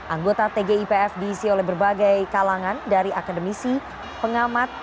anggota tgipf diisi oleh berbagai kalangan dari akademisi pengamat